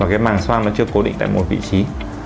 và cái màng xoang nó chưa cố định tại một vị trí